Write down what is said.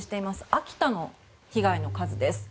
秋田の被害の数です。